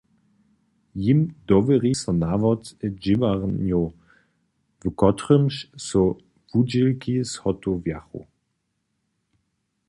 Jim dowěri so nawod dźěłarnjow, w kotrychž so wudźěłki zhotowjachu.